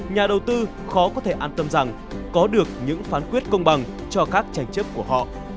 nhà đầu tư khó có thể an tâm rằng có được những phán quyết công bằng cho các tranh chấp của họ